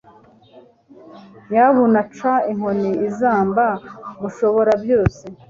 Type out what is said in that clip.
nyabuna ca inkoni izamba mushobora byose